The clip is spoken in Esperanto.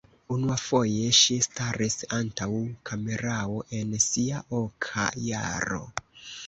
Unuafoje ŝi staris antaŭ kamerao en sia oka jaro.